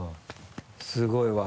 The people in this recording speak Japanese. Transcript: すごいわ。